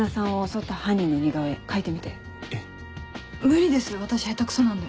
無理です私下手クソなんで。